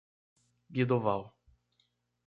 Guidoval